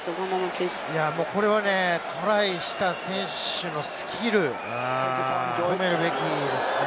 これはトライした選手のスキルを褒めるべきですね。